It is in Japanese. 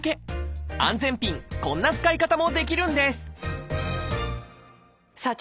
安全ピンこんな使い方もできるんですさあ